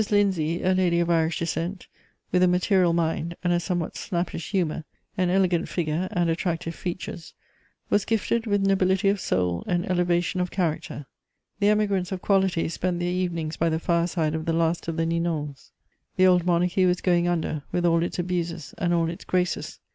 Lindsay, a lady of Irish descent, with a material mind and a somewhat snappish humour, an elegant figure and attractive features, was gifted with nobility of soul and elevation of character: the Emigrants of quality spent their evenings by the fireside of the last of the Ninons. The old monarchy was going under, with all its abuses and all its graces.